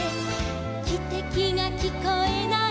「きてきがきこえない」